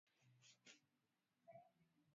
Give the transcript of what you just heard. Zaidi ya watu sitini waliuawa hapo Februari mosi